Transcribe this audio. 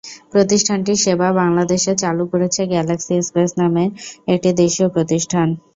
প্রতিষ্ঠানটির সেবা বাংলাদেশে চালু করেছে গ্যালাক্সি এক্সপ্রেস নামের একটি দেশীয় প্রতিষ্ঠান।